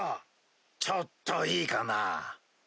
ちょっといいかな？